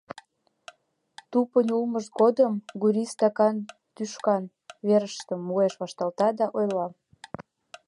Тупынь улмышт годым Гурий стакан тӱшкан верыштым уэш вашталта да ойла: